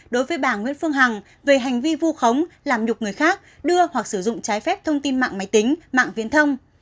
đối với bà nguyễn phương hằng về hành vi vu khống làm nhục người khác đưa hoặc sử dụng trái phép thông tin mạng máy tính mạng viễn thông